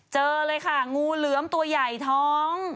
เจอเลยค่ะงูเหลือมตัวใหญ่ท้อง